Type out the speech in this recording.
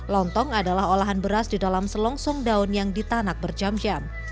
lontong adalah olahan beras di dalam selongsong daun yang ditanak berjam jam